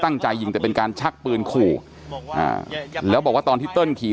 ตั้งใจยิงแต่เป็นการชักปืนขู่อ่าแล้วบอกว่าตอนที่เติ้ลขี่